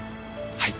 はい。